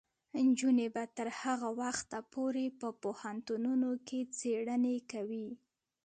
نجونې به تر هغه وخته پورې په پوهنتونونو کې څیړنې کوي.